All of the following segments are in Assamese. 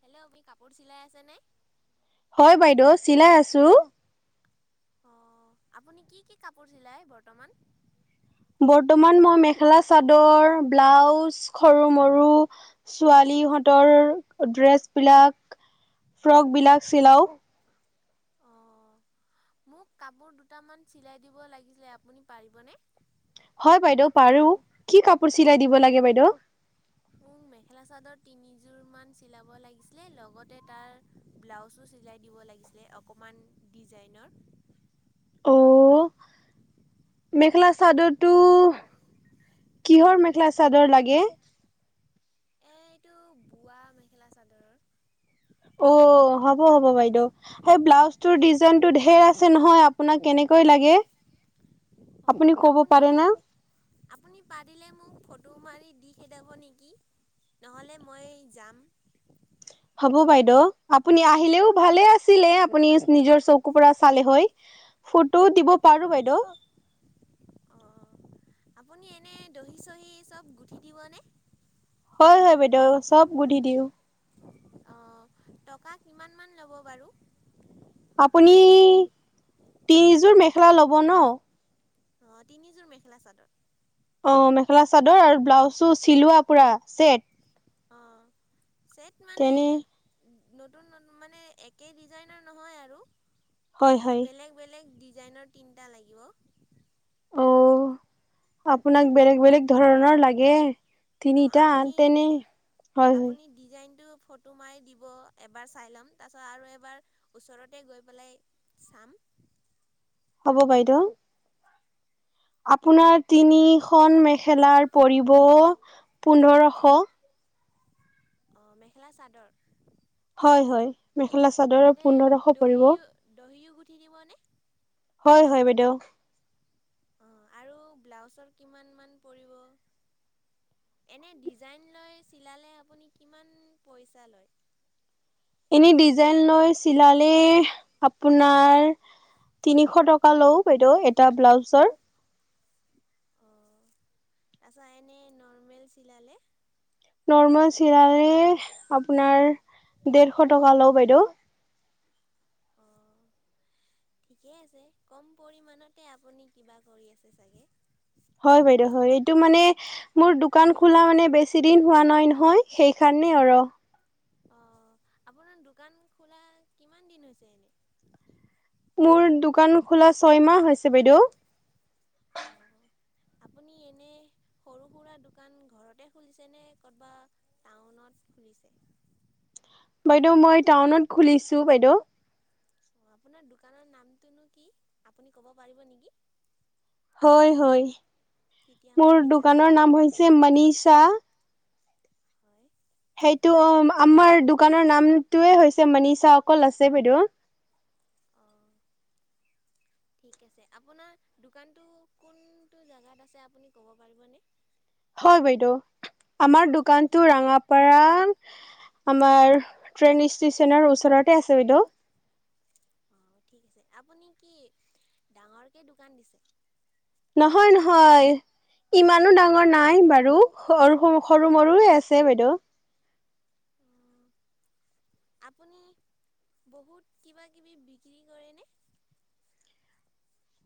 হেল্ল' আপুনি কাপোৰ চিলাই আছেনে হয় বাইদেউ চিলাই আছো। অ' আপুনি কি কি কাপোৰ চিলায় বৰ্তমান? বৰ্তমান মই মেখেলা চাদৰ ব্লাউজ সৰু মৰু ছোৱালীহঁতৰ ড্ৰেছ বিলাক ফ্ৰক বিলাক চিলাওঁ। অঁ মোক কাপোৰ দুটামান চিলাই দিব লাগিছিলে আপুনি পাৰিবনে? হয় বাইদেউ পাৰো, কি কাপোৰ চিলাই দিব লাগে বাইদেউ? মোক মেখেলা চাদৰ তিনিযোৰ মান চিলাব লাগিছিলে লগতে তাৰ ব্লাউজো চিলাই দিব লাগিছিলে অকণমান ডিজাইনৰ। অঁ। মেখেলা চাদৰটো, কিহৰ মেখেলা চাদৰ লাগে? এ এইটো বোৱা মেখেলা চাদৰ। অ' হ'ব হ'ব বাইদেউ। হে' ব্লাউজটো ডিজাইনটো ঢেৰ আছে নহয় আপোনাক কেনেকৈ লাগে? অ' ক'ব আপুনি পাৰে না আপুনি পাৰিলে মোক ফটো মাৰি দি খেদাব নিকি? নহ'লে মই যাম হ'ব বাইদেউ আপুনি আহিলেও ভালে আছিলে আপুনি নিজৰ চকুৰ পৰা চালে হয় ফটোও দিব পাৰো বাইদেউ অ', আপুনি এনে দহি চহি চব গুঠি দিবনে হয় হয় বাইদেউ চব গুঠি দিওঁ অহ টকা কিমান মান ল'ব বাৰু আপুনি তিনিযোৰ মেখেলা ল'ব ন অ তিনিযোৰ মেখেলা চাদৰ অহ মেখেলা চাদৰ আৰু ব্লাউজছো চিলোৱা পূৰা ছেট অঁহ চেট তেনি নতুন নতু মানে একেই ডিজাইনৰ নহয় আৰু হয় হয় বেলেগ বেলেগ ডিজাইনৰ তিনিটা লাগিব অ আপোনাক বেলেগ বেলেগ ধৰণৰ লাগে অঁ তিনিটা আপুনি তেনে হয় হয় আপুনি ডিজাইনটো ফট ফটো মাৰি দিব এবাৰ চাই ল'ম তাৰপিছত আৰু এবাৰ ওচৰতে গৈ পেলাই চাম হ'ব বাইদেউ আপোনাৰ তিনিখন মেখেলাৰ পৰিব পোন্ধৰশ অঁ মেখেলা চাদৰ হয় হয় মেখেলা চাদৰৰ তাতে পোন্ধৰশ পৰিব দহিও দহিও গুঠি দিবনে হয় হয় বাইদেউ অহ আৰু ব্লাউজৰ কিমান মান পৰিব এনে ডিজাইন লৈ চিলালে আপুনি কিমান পইচা লয় এনে ডিজাইন লৈ চিলাল লে আপোনাৰ তিনিশ টকা লও বাইদেউ এটা ব্লাউজৰ অঁ তাৰপিছত এনে নৰ্মেল চিলালে নৰ্মেল চিলালে আপোনাৰ ডেৰশ টকা লওঁ বাইদেউ অঁ ঠিকে আছে কম পৰিমাণতে আপুনি কিবা কৰি আছে চাগে হয় বাইদউ হয় এইটো মানে মোৰ দোকান খোলা মানে বেছি দিন হোৱা নাই নহয় সেই কাৰণে আৰু অ' আপোনাৰ দোকান খোলা কিমান দিন হৈছে এনে মোৰ দোকান খোলা ছয় মাহ হৈছে বাইদেউ অ' আপুনি এনে সৰু সুৰা দোকান ঘৰতে খুলিছে নে কত'বা টাউনত খুলিছে বাইদেউ মই টাউনত খুলিছো বাইদেউ অ' আপোনাৰ দোকানৰ নামটোনো কি আপুনি ক'ব পাৰিব নেকি হয় হয় তেতিয়া মোৰ মই যাব দোকানৰ পাৰিম নাম হৈছে মানিষা হয় সেইটো আমাৰ দোকানৰ নামটোৱে হৈছে মানিষা অকল আছে বাইদেউ অ' [inaudible] ঠিক আছে আপোনাৰ দোকানটো কোনটো জাগাত আছে আপুনি ক'ব পাৰিবনে হয় বাইদেউ আমাৰ কওক দোকানটো ৰাঙাপাৰা আমাৰ ট্ৰেইন ষ্টেচনৰ ওচৰতে আছে বাইদেউ অ' ঠিক আছে আপুনি কি ডাঙৰকে দোকান দিছে নহয় নহয় ইমানো ডাঙৰ নাই বাৰু সৰু সৰু সৰু মৰুৱে আছে বাইদেউ অ' [inaudible] আপুনি বহুত কিবা কিবি বিক্ৰী কৰেনে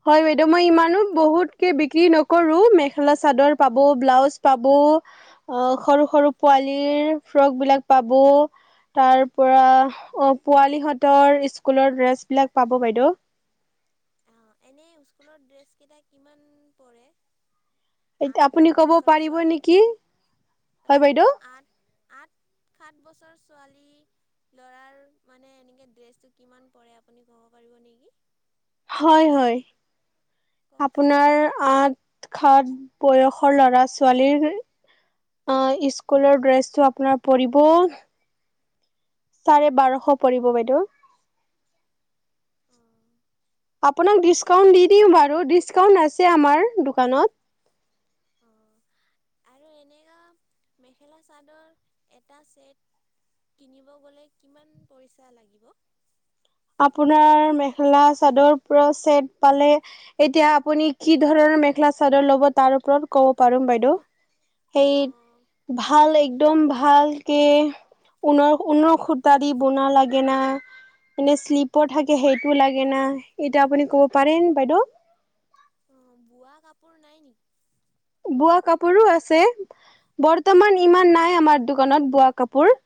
হয় বাইদেউ মই ইমানো বহুতকে বিক্ৰী নকৰোঁ মেখেলা চাদৰ পাব ব্লাউজ পাব অ' সৰু সৰু পোৱালিৰ ফ্ৰক বিলাক পাব তাৰ পৰা অ' পোৱালিহঁতৰ স্কুলৰ ড্ৰেছবিলাক পাব বাইদেউ অ' এনেই স্কুলৰ ড্ৰেছ কেইটা কিমান পৰে এতিয়া আঠ আপুনি সাত ক'ব বছৰ পাৰিব ছোৱালীৰ নেকি হয় তাকেইতো বাইদেউ? আঠ আঠ সাত বছৰ ছোৱালী ল'ৰাৰ মানে এনেকৈ ড্ৰেছটো কিমান পৰে আপুনি ক'ব পাৰিব নেকি হয় হয় কওকচোন আপোনাৰ আঠ সাত বয়সৰ ল'ৰা ছোৱালীৰ অ' স্কুলৰ ড্ৰেচটো আপোনাৰ পৰিব চাৰে বাৰশ পৰিব বাইদেউ অ' আপোনাক ঠিকেই ডিছকাউণ্ট দি আছে দিম বাৰু ডিছকাউণ্ট আছে আমাৰ দোকানত অ' আৰু এনেও মেখেলা চাদৰ এটা চেট কিনিব গ'লে কিমান পইচা লাগিব আপোনাৰ মেখেলা চাদৰ পৰা চেট পালে এতিয়া আপুনি কি ধৰণৰ মেখেলা চাদৰ লব তাৰ ওপৰত ক'ব পাৰিম বাইদেউ এই অঁ ভাল একদম ভালকে ঊনৰ ঊনৰ সূতা দি বনোৱা লাগে না এনে শ্লিপৰ থাকে সেইটো লাগে না এতিয়া আপুনি ক'ব পাৰেনে বাইদেউ অ' বোৱা কাপোৰ নাই নেকি বোৱা কাপোৰো আছে বৰ্তমান ইমান নাই আমাৰ দোকানত বোৱা কাপোৰ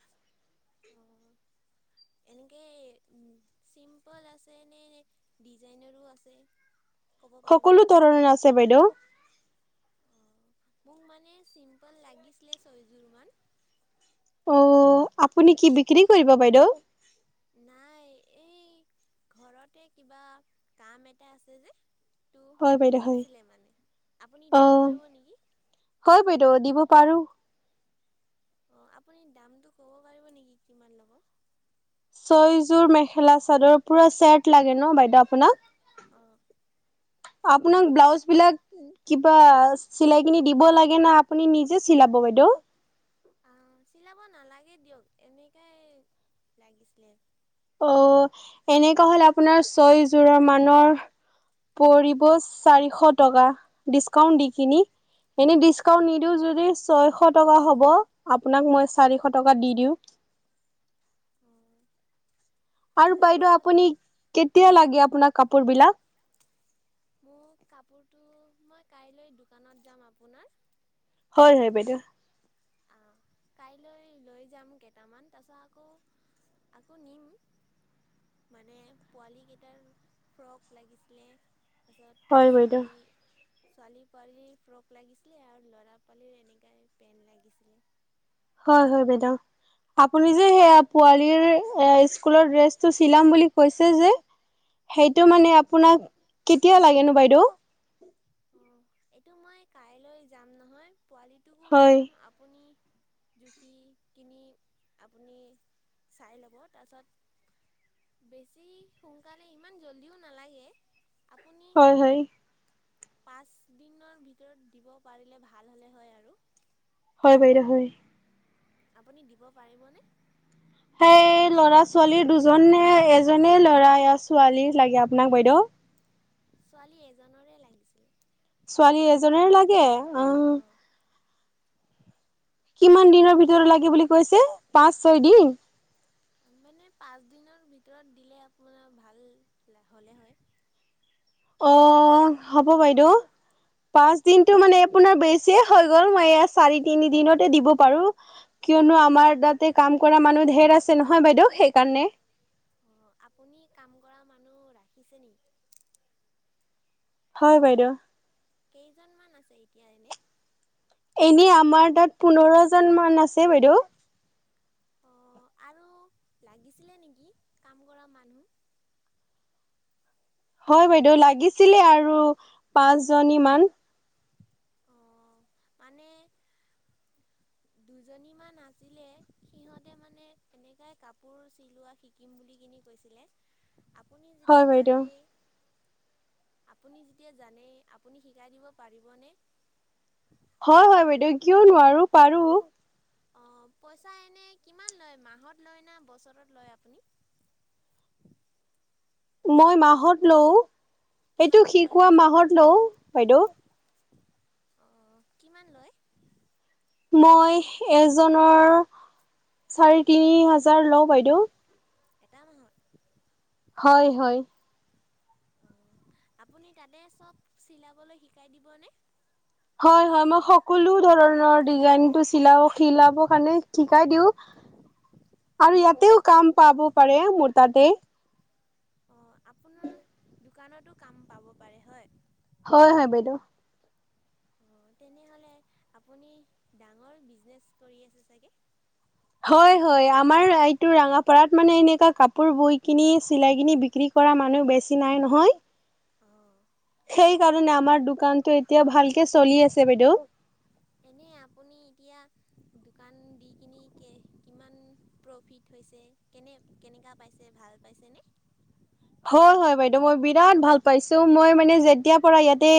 [inaudible] এনেকে চিম্পল আছে, নে নে ডিজাইনৰো আছে। ক'ব সকলো পাৰিবনে ধৰণে আছে বাইদেউ। অঁ। মোক মানে চিম্পল লাগিছিলে ছয়যোৰ মান। অ। আপুনি কি বিক্ৰী কৰিব বাইদেউ? নাই, এই ঘৰতে কিবা কাম এটা আছে যে। টো হয় বাইদেউ হয় লাগিছিলে মানে। আপুনি অ দিব পাৰিব নেকি? হয় বাইদেউ, দিব পাৰো। অ, আপুনি দামটো ক'ব পাৰিব নেকি, কিমান ল'ব? ছয়যোৰ মেখেলা চাদৰ পুৰা চেট লাগে ন বাইদেউ আপোনাক? অঁ। আপোনাক ব্লাউজ বিলাক কিবা চিলাই কিনি দিব লাগে না, আপুনি নিজে চিলাব বাইদেউ? আ চিলাব নালাগে দিয়ক, এনেকাই লাগিছিলে। অহ। এনেকুৱা হলে আপোনাৰ ছয় জোৰৰ মানৰ পৰিব চাৰিশ টকা, ডিচকাউন্ট দি কিনি। এনে ডিছ্কাউণ্ট নিদো যদি ছয়শ টকা হ'ব। আপোনাক মই চাৰিশ টকা দি দিওঁ। অ। আৰু বাইদেউ আপুনি কেতিয়া লাগে আপোনাক কাপোৰ বিলাক? মোক কাপোৰটো মই কাইলৈ দোকানত যাম আপোনাৰ। হয় হয় বাইদেউ। অ। কাইলৈ লৈ যাম কেইটামান। তাৰপিছ আকৌ আকৌ নিম। মানে পোৱালি কেইটাৰ ফ্ৰক লাগিছিলে। তাছত হয় বাইদেউ ছোৱালী ছোৱালী পোৱালিৰ ফ্ৰক লাগিছিলে আৰু ল'ৰা পোৱালিৰ এনেকাই পেন্ট লাগিছিলে। হয় হয় বাইদেউ। আপুনি যে সেয়া পোৱালিৰ এ স্কুলৰ ড্ৰেছটো চিলাম বুলি কৈছে যে? সেইটো মানে আপোনাক কেতিয়া লাগেনো বাইদেউ? অ। এইটো মই কাইলৈ যাম নহয়। পোৱালিটোকো লৈ হয়, যাম। আপুনি জুখি কিনি আপুনি চাই লব। তাছত বেছি সোনকালে ইমান জল্দিও নালাগে। আপুনি হয়, হয়, পাঁচ দিনৰ ভিতৰত দিব পাৰিলে, ভাল হ'লে হয় আৰু। হয় বাইদেউ হয়। আপুনি দিব পাৰিবনে? সেই ল'ৰা ছোৱালীৰ দুজন নে এজনে ল'ৰা য়া ছোৱালী লাগে আপোনাক বাইদেউ? ছোৱালী এজনৰে লাগিছিলে। ছোৱালী এজনে লাগে, আহ। অ'। কিমান দিনৰ ভিতৰত লাগে বুলি কৈছে? পাঁচ, ছয় দিন? মানে পাঁচ দিনৰ ভিতৰত দিলে আপোনাৰ ভাল হলে হয়। অ, হ'ব বাইদেউ। পাঁচ দিনটো মানে আপোনাৰ বেছিয়ে হৈ গ'ল। মই এয়া চাৰি তিনি দিনতে দিব পাৰো। কিয়নো? আমাৰ তাতে কাম কৰা মানুহ ধঢেৰ আছে নহয় বাইদেউ, সেইকাণে। অ। আপুনি কাম কৰা মানুহ ৰাখিছে নি? হয় বাইদেউ কেইজনমান আছে এতিয়া এনে? এনেই আমাৰ তাত পোন্ধৰজনমান আছে বাইদেউ। অ আৰু লাগিছিলে নেকি কাম কৰা মানুহ? হয় বাইদেউ লাগিছিলে আৰু পাঁচ জনী মান। অ'। মানে দুজনীমান আছিলে সিহঁতে মানে এনেকাই কাপোৰ চিলোৱা শি কিম বুলি কিনি কৈছিল আপুনি যেতিয়া হয় বাইদেউ। জানেই আপুনি যেতিয়া জানে আপুনি শিকাই দিব পাৰিবনে? [inaudible] হয় হয় বাইদেউ কিয় নোৱাৰো পাৰো। অঁ পইচা এনে কিমান লয় মাহত লয় না বছৰত লয় আপুনি? মই মাহত লও এইটো কিমানকৈ লয় শিকোৱা মাহত লও বাইদেউ। অঁ কিমান লয়? মই এজনৰ চাৰে তিনি হাজাৰ লওঁ বাইদেউ। এটা মাহত হয় হয়। অঁ আপুনি তাতে চব চিলাবলৈ শিকাই দিবনে? হয় হয় মই সকলো ধৰণৰ ডিজাইনটো চিলাও চিলাব কাৰণেও শিকাই দিওঁ আৰু অঁ ইয়াতেও কাম পাব পাৰে মোৰ তাতে। অঁ আপোনাৰ দোকানতো কাম পাব পাৰে হয়। হয় হয় বাইদেউ। অঁ তেনেহলে আপুনি ডাঙৰ বিজনেছ কৰি চাগে? হয় হয়, আমাৰ এইটো ৰঙাপাৰাত মানে এনেকা কাপোৰ বৈ কিনি চিলাই কিনি বিক্ৰী কৰা মানুহ বেছি নাই নহয়। অ। সেই কাৰণে আমাৰ দোকানতো এতিয়া ভালকে চলি আছে বাইদেউ। এনে আপুনি এতিয়া দোকান দি কিনি কিমান প্ৰফিট হৈছে কেনে কেনেকুৱা পাইছে ভাল পাইছা নে? হয় হয় বাইদেউ মই বিৰাট ভাল পাইছো মই মানে যেতিয়াৰ পৰা ইয়াতে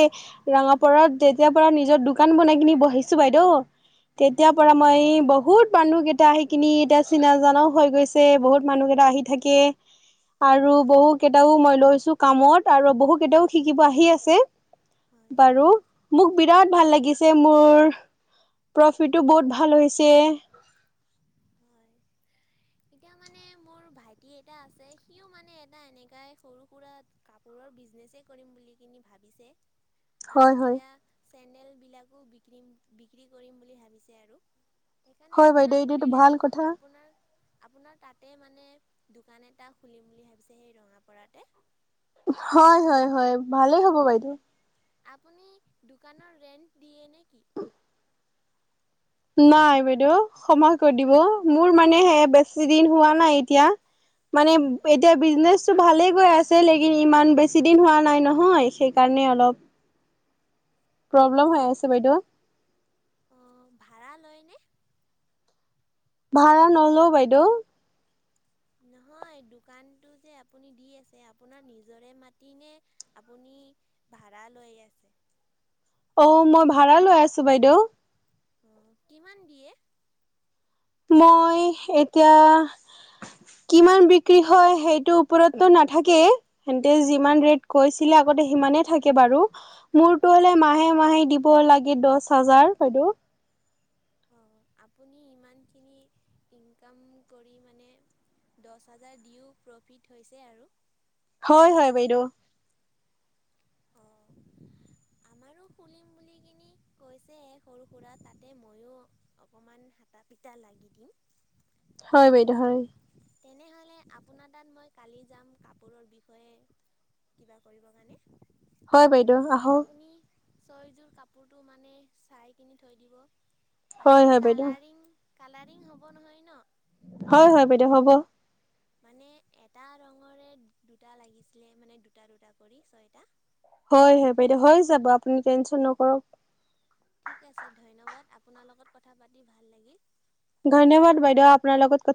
ৰঙাপাৰত যেতিয়াৰ পৰা নিজৰ দোকান বনাই কিনি বহিছো বাইদেউ তেতিয়াৰ হয়। পৰা মই বহুত মানুহ কেইটা আহি কিনি এতিয়া চিনাজানাও হৈ গৈছে বহুত মানুহ কেইটা আহি থাকে। আৰু বহু ত কেইটাও মই লৈছো কামত আৰু বহু কেইটাও শিকিব আহি আছে হয় বাৰু। মোক বিৰাট ভাল লাগিছে মোৰ প্ৰফিটো বহুত ভাল হৈছে। হয়। এতিয়া মানে মোৰ ভাইটি এটা আছে সিও মানে এটা এনেকাই সৰু সুৰা কা পোৰৰ বিজনেচেই কৰিম বুলি কিনি ভাবিছে। [inaudible] আৰু হয় এনেকা চেণ্ডেল বিলাকো বিক্ৰীম বিক্ৰী কৰিম বুলি ভাবিছে আৰু। সেইকাৰণে হয় বাইদেউ আপোনাক এইটোতো সুধি ভাল লৈছো কথা। আপোনাৰ আপোনাৰ তাতে মানে দোকান এটা খুলিম বুলি ভাবিছে সেই ৰঙাপাৰাতে। হয় হয় হয় ভালেই হ'ব বাইদেউ। আপুনি দোকানৰ ৰেণ্ট দিয়ে নেকি? নাই বাইদেউ সময় কৈ দিব মোৰ মানে সে বেছি দিন হোৱা নাই এতিয়া। মানে অহ এতিয়া বিজনেছ ভালে গৈ আছে লেকিন ইমান বেছি দিন হোৱা নাই নহয় সেইকাৰণে অলপ প্ৰবলেম ন হৈ আছে বাইদেউ। অ ভাড়া লয় নে? ভাড়া নলওঁ বাইদেউ। নহয় দুকানটো যে আপুনি দি আছে নিজৰে মাতি নে, আপুনি ভাড়া লৈ আছে? অ মই ভাড়া লৈ আছো বাইদেউ। অ কিমান দিয়ে? মই এতিয়া কিমান বিক্ৰী হয় সেইটো ওপৰতটো নাথাকেই সিহঁতে উম, যিমান ৰেট কৈছিলে আগতে সিমানে থাকে বাৰু উম। মোৰতো হ'লে মাহে মাহে দি বৈ লাগিব দহ হাজাৰ বাইদেউ। অঁ আপুনি ইমানখিনি ইনকাম কৰি মানে দহ হাজাৰ দিও প্ৰফিট হৈছে আৰু। হয় হয় বাইদেউ। অহ। আমাৰো খুলিম বুলি কিনি কৈছে সৰু সুৰা তাতে মইয়ো অকমান হা- টাপিতা লাগি দিম। হয় বাইদেউ হয়। তেনেহ'লে আপোনাৰ তাত মই কালি যাম কাপোৰৰ বিষয়ে কিবা কৰিব কাৰণে, হয় বাইদেউ আহক আপুনি ছয়যোৰ কাপোৰটো মানে চাই কিনি থৈ দিব, হয় মানে হয় বাইদেউ কালাৰিং কালাৰিং হ'ব নহয় ন? হয় হয় বাইদেউ হ'ব। মানে এটা ৰঙৰে দুটা লাগিছিলে মানে দুটা দুটা কৰি ছয়টা। হয় হয় বাইদেউ হৈ যাব আপুনি টেনচন নকৰক। ঠিক আছে ধন্যবাদ আপোনাৰ লগত কথা পাতি ভাল লাগিল। ধন্যবাদ বাইদেউ আপোনাৰ লগত কথা